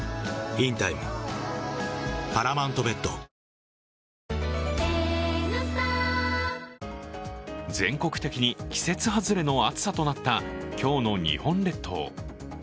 この暑さに動物たちも全国的に季節外れの暑さとなった今日の日本列島。